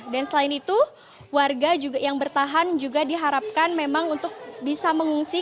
dan selain itu warga yang bertahan juga diharapkan memang untuk bisa mengungsi